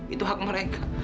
itu hak mereka